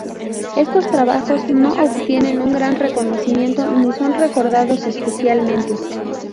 Estos trabajos no obtienen un gran reconocimiento, ni son recordados especialmente.